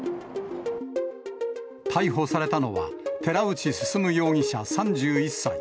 逮捕されたのは、寺内進容疑者３１歳。